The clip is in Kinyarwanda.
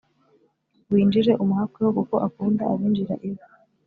Winjire umuhakweho kuko akunda abinjira iwe